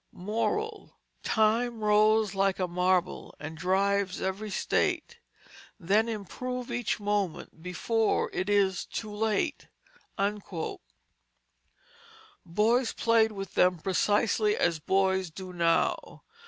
MORAL "Time rolls like a Marble, And drives every State. Then improve each Moment, Before its too late." Boys played with them precisely as boys do now.